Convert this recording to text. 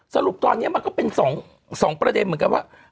สรุปตอนนี้มันก็เป็น๒ประเด็นเหมือนกันว่า